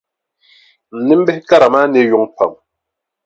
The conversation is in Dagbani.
N nimbihi kara maa ne yuŋ pam.